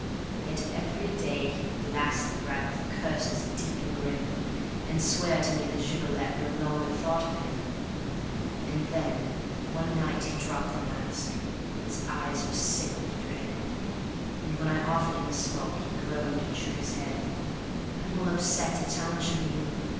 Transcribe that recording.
Yet every day he'd blast the brat with curses deep and grim, And swear to me that Gigolette no longer thought of him. And then one night he dropped the mask; his eyes were sick with dread, And when I offered him a smoke he groaned and shook his head: "I'm all upset; it's Angeline ..